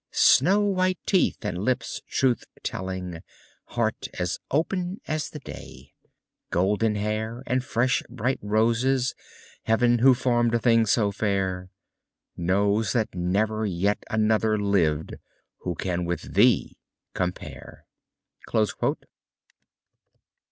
Snow white teeth, and lips truth telling, Heart as open as the day; Golden hair, and fresh bright roses Heaven, who formed a thing so fair. Knows that never yet another Lived, who can with thee compare.